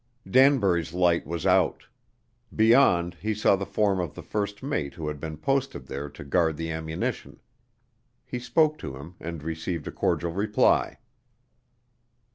Danbury's light was out. Beyond he saw the form of the first mate who had been posted there to guard the ammunition. He spoke to him and received a cordial reply.